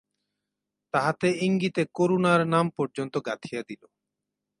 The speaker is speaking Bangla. তাহাতে ইঙ্গিতে করুণার নাম পর্যন্ত গাঁথিয়া দিল।